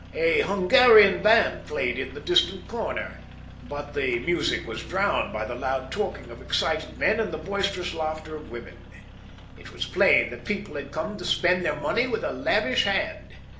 A Hungarian band played in a distant corner, but the music was drowned by the loud talking of excited men and the boisterous laughter of women. It was plain that people had come to spend their money with a lavish hand.